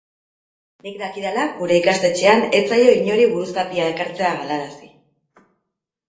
Nik dakidala gure ikastetxean ez zaio inori buruzapia ekartzea galarazi.